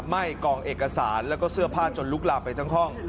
ไหม้กองเอกสารแล้วก็เสื้อผ้าจนลุกลามไปทั้งห้อง